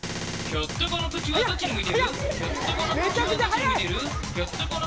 「ひょっとこの口はどっちに向いている？」